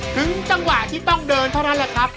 ถึงจังหวะที่ต้องเดินเท่านั้นแหละครับ